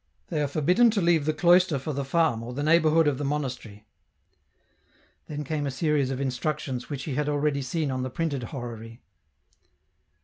" They are forbidden to leave the cloister for the farm or the neighbourhood of the monastery." Then came a series of instructions which he had already seen on the printed horary.